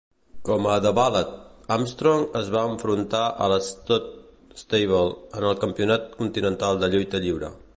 Com a "The Bullet", Armstrong es va enfrontar a l'Stud Stable en el Campionat Continental de Lluita Lliure.